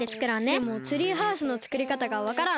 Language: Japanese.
でもツリーハウスのつくりかたがわからん。